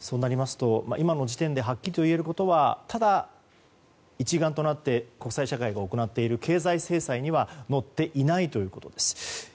そうなりますと今の時点ではっきりといえることは一丸となって国際社会が行っている経済制裁にはのっていないということです。